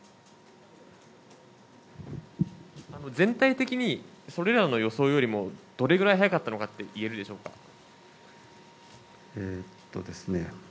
全体的にそれらの予想よりどのぐらい早かったのかいえるでしょうか？